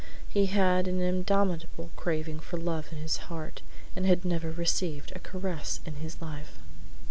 He had an indomitable craving for love in his heart and had never received a caress in his life.